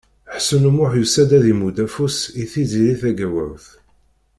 Ḥsen U Muḥ yusa-d ad imudd afus i Tiziri Tagawawt.